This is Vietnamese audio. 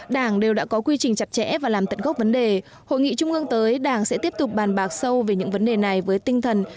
đảng đều đã có quy trình chặt chẽ và làm tận gốc vấn đề hội nghị trung ương tới đảng sẽ tiếp tục bàn bạc sâu về những vấn đề này với tinh thần